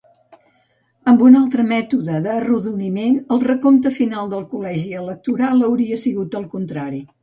Amb un altre mètode d'arrodoniment, el recompte final del col·legi electoral hauria sigut el contrari.